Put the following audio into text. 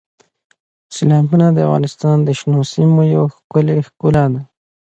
سیلابونه د افغانستان د شنو سیمو یوه ښکلې ښکلا ده.